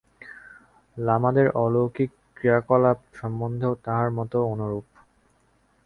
লামাদের অলৌকিক ক্রিয়াকলাপ সম্বন্ধেও তাঁহার মত অনুরূপ।